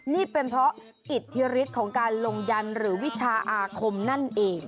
นี่เป็นเพราะอิทธิฤทธิ์ของการลงยันหรือวิชาอาคมนั่นเอง